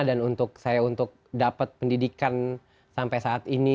dan untuk saya untuk dapat pendidikan sampai saat ini